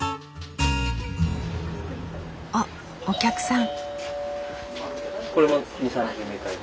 おっお客さん。